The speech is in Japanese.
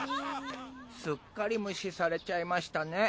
すっかり無視されちゃいましたね。